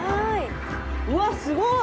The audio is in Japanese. うわすごい！